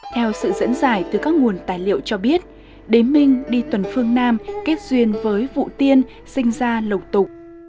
theo sự diễn giải từ các nguồn tài liệu cho biết đế minh đi tuần phương nam kết duyên với vụ tiên sinh ra lộc tục